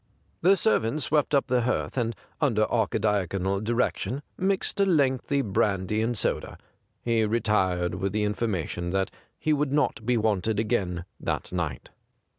The ser vant swept up the hearth, and, under Archidiaconal direction, mixed a lengthy brandy and soda. He retired with the information that he would not be wanted again that night.